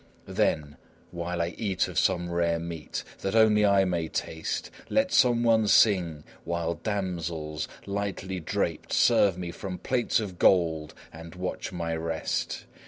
Then, while I eat of some rare meat, that only I may taste, let some one sing, while damsels, lightly draped, serve me from plates of gold and watch my rest.